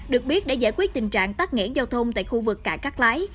được biết để giải quyết tình trạng tắt nghẽn giao thông tại khu vực cảng cắt lái